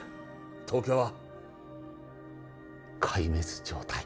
東京は壊滅状態になる。